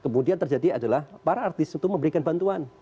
kemudian terjadi adalah para artis itu memberikan bantuan